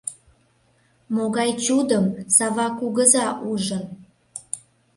МОГАЙ «ЧУДЫМ» САВА КУГЫЗА УЖЫН